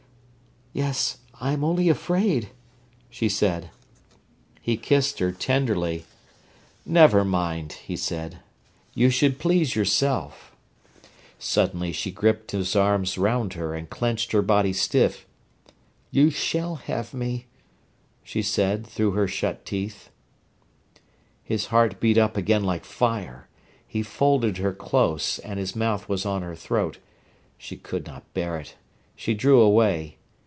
"Yes, I am only afraid," she said. He kissed her tenderly. "Never mind," he said. "You should please yourself." Suddenly she gripped his arms round her, and clenched her body stiff. "You shall have me," she said, through her shut teeth. His heart beat up again like fire. He folded her close, and his mouth was on her throat. She could not bear it. She drew away.